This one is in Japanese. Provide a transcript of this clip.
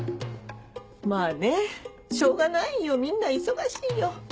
まぁねしょうがないよみんな忙しいよ。